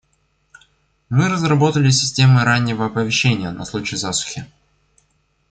Мы разработали системы раннего оповещения на случай засухи.